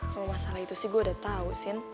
kalo masalah itu sih gue udah tau sin